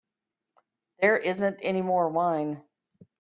There isn't any more wine.